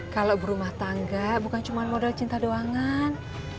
kalau berumah tangga bukan cuma modal cinta doangan